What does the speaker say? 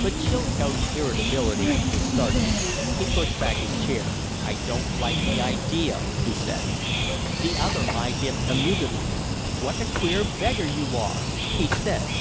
But Chilcote's irritability was started. He pushed back his chair. "I don't like the idea," he said. The other eyed him amusedly. "What a queer beggar you are!" he said.